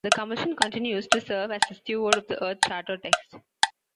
The Commission continues to serve as the steward of the Earth Charter text.